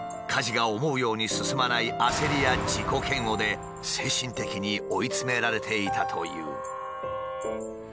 家事が思うように進まない焦りや自己嫌悪で精神的に追い詰められていたという。